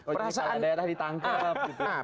oh jika ada yang ditangkap